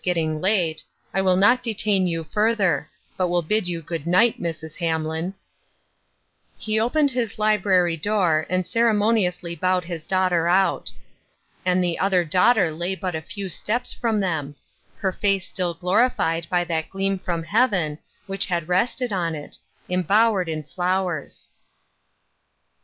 getting late, I will not detain you further, but will bid you good night, Mrs. Hamlin." He opened his library door, and ceremoniously bowed his daughter out. And the other daughter lay but a few steps from them — her face still glorified by that gleam from heaven, which had rested on it — embowered in flowers.